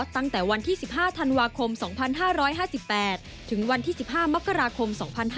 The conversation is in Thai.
ตั้งแต่วันที่๑๕ธันวาคม๒๕๕๘ถึงวันที่๑๕มกราคม๒๕๕๙